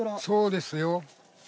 そうですよ。